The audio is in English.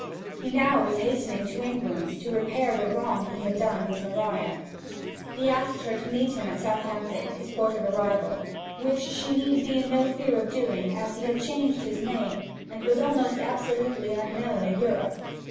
He now was hastening to England to repair the wrong he had done his Maria. He asked her to meet him at Southampton, his port of arrival; which she need be in no fear of doing, as he had changed his name, and was almost absolutely unknown in Europe.